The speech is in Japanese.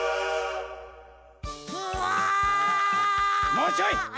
もうちょい！